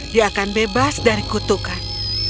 dia akan bebas dari kutukan